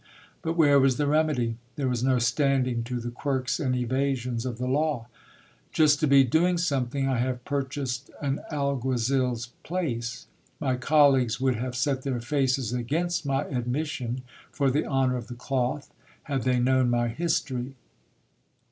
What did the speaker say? But where was the remedy? There was no standing to the quirks and evasions of the law. Just to be doing something, I have pur chased an alguazil's place. My colleagues would have set their faces against my admission, for the honour of the cloth, had they known my history.